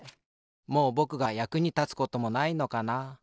もうぼくがやくにたつこともないのかな。